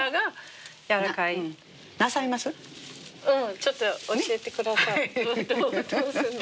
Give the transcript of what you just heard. ちょっと教えて下さい。